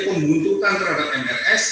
pemuntutan terhadap mrs